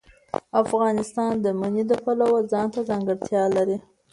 افغانستان د منی د پلوه ځانته ځانګړتیا لري.